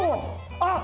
あっ！